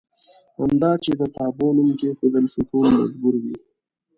همدا چې د تابو نوم کېښودل شو ټول مجبور وي.